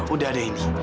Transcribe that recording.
udah deh indi